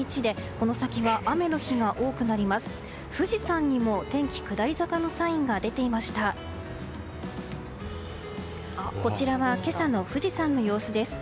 こちらは今朝の富士山の様子です。